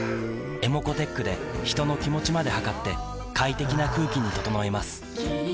ｅｍｏｃｏーｔｅｃｈで人の気持ちまで測って快適な空気に整えます三菱電機